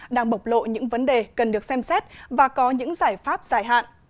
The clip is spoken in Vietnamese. đang bộc lộ những vấn đề cần được xem xét và có những giải pháp dài hạn